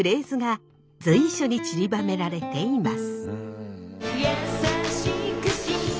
随所にちりばめられています。